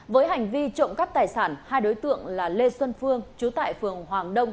với hành vi trộm cắp tài sản hai đối tượng là lê xuân phương chú tại phường hoàng đông